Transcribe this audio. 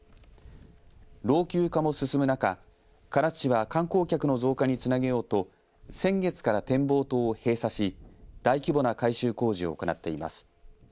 老朽化も進む中唐津市は観光客の増加につなげようと先月から展望塔を閉鎖し大規模な改修工事を行っています。